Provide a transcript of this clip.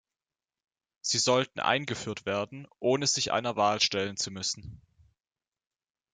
Sie sollten eingeführt werden, ohne sich einer Wahl stellen zu müssen.